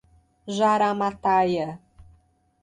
Jaramataia